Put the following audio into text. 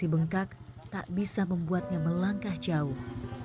bengkak tak bisa membuatnya melangkah jauh